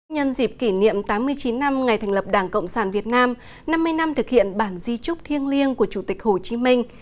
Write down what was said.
nhân dịp kỷ niệm tám mươi chín năm ngày thành lập đảng cộng sản việt nam năm mươi năm thực hiện bản di trúc thiêng liêng của chủ tịch hồ chí minh